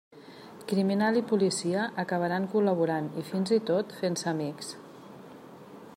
Criminal i policia acabaran col·laborant i fins i tot fent-se amics.